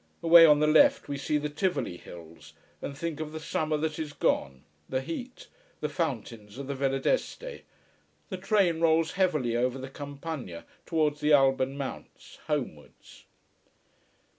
Away on the left we see the Tivoli hills, and think of the summer that is gone, the heat, the fountains of the Villa D'Este. The train rolls heavily over the Campagna, towards the Alban Mounts, homewards.